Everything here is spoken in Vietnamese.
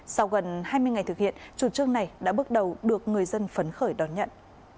sau gần hai mươi ngày thực hiện chủ trương này đã bước đầu được người dân phấn khởi đón nhận